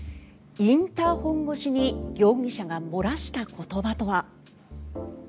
インターホン越しに容疑者が漏らした言葉とは。